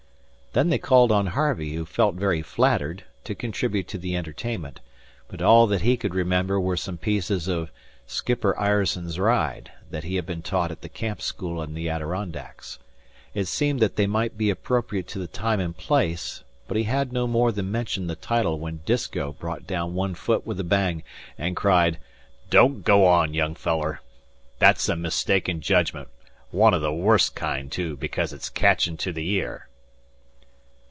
Then they called on Harvey, who felt very flattered, to contribute to the entertainment; but all that he could remember were some pieces of "Skipper Ireson's Ride" that he had been taught at the camp school in the Adirondacks. It seemed that they might be appropriate to the time and place, but he had no more than mentioned the title when Disko brought down one foot with a bang, and cried, "Don't go on, young feller. That's a mistaken jedgment one o' the worst kind, too, becaze it's catchin' to the ear."